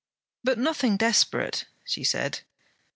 'But nothing desperate?' she said.